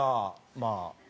まあ。